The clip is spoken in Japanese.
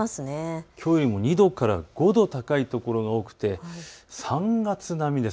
きょうよりも２度から５度高いところが多くて、３月並みです。